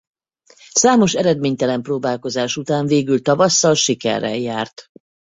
Számos eredménytelen próbálkozás után végül tavasszal sikerrel járt.